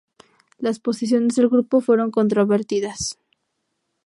Las posiciones del grupo fueron controvertidas.